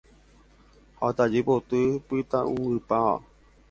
Ha tajy poty pytãungypáva